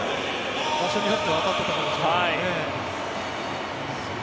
場所によっては当たったかもしれないですね。